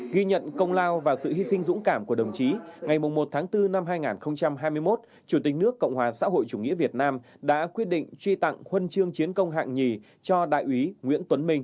ghi nhận công lao và sự hy sinh dũng cảm của đồng chí ngày một tháng bốn năm hai nghìn hai mươi một chủ tịch nước cộng hòa xã hội chủ nghĩa việt nam đã quyết định truy tặng huân chương chiến công hạng nhì cho đại úy nguyễn tuấn minh